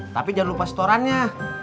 tapi jangan lupa setorannya